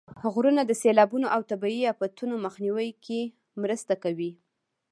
غرونه د سیلابونو او طبیعي افتونو مخنیوي کې مرسته کوي.